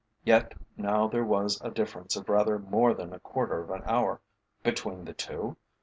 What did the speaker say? Yet now there was a difference of rather more than a quarter of an hour between the two?